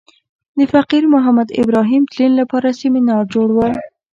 د فقیر محمد ابراهیم تلین لپاره سمینار جوړ و.